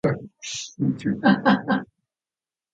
埼玉県長瀞町